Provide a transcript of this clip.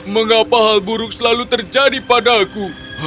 mengapa hal buruk selalu terjadi padaku